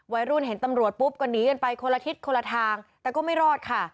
วัยรุ่นเห็นตำรวจปุ๊บก็หนีกันไปคนละทิศคนละทางแต่ก็ไม่รอดค่ะ